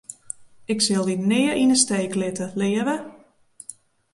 Ik sil dy nea yn 'e steek litte, leave.